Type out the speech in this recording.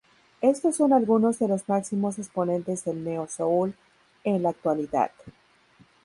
Estos son algunos de los máximos exponentes del neo soul en la actualidad.